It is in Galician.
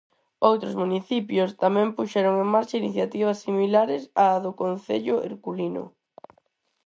Outros municipios tamén puxeron en marcha iniciativas similares á do Concello herculino.